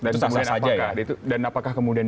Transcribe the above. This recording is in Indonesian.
itu tak saja ya dan apakah kemudian